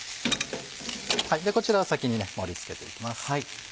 こちらは先に盛り付けていきます。